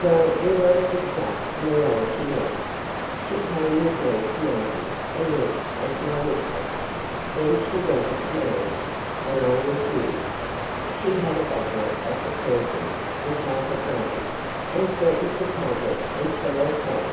Well, we won't discuss morality now. She came with me to Melbourne and lived as my mistress; then she wanted to marry me, and I refused. She had a bottle of the poison which I had made, and threatened to take it and kill herself.